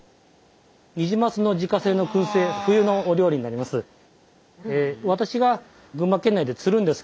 ニジマスの自家製のくん製冬のお料理になります。